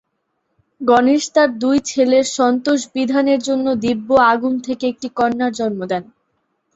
গণেশ তখন তাঁর দুই ছেলের সন্তোষ বিধানের জন্য দিব্য আগুন থেকে একটি কন্যার জন্ম দেন।